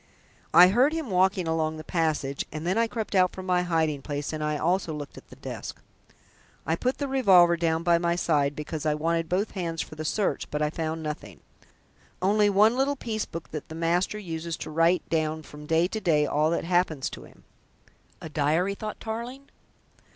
I heard him walking along the passage, and then I crept out from my hiding place and I also looked at the desk. I put the revolver down by my side, because I wanted both hands for the search, but I found nothing only one little piece book that the master uses to write down from day to day all that happens to him." "A diary?" thought Tarling.